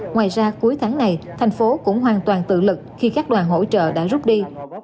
ngoài ra cuối tháng này thành phố cũng hoàn toàn tự lực khi các đoàn hỗ trợ đã rút đi